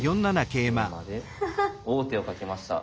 桂馬で王手をかけました。